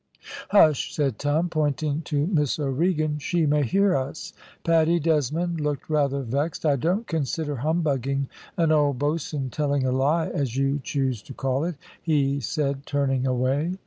"Hush!" said Tom, pointing to Miss O'Regan, "she may hear us." Paddy Desmond looked rather vexed. "I don't consider humbugging an old bo'sun telling a lie, as you choose to call it," he said, turning away.